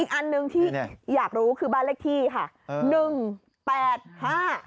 อีกอันหนึ่งที่อยากรู้คือบานเลขที่ค่ะ